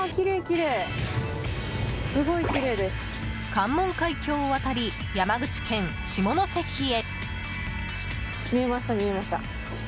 関門海峡を渡り山口県下関へ！